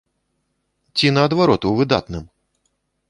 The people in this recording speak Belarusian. Ці, наадварот, у выдатным?